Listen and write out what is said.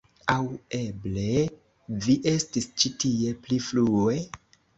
Aŭ eble vi estis ĉi tie pli frue?